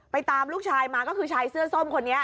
ตามลูกชายมาก็คือชายเสื้อส้มคนนี้